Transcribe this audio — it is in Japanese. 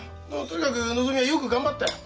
とにかくのぞみはよく頑張ったよ。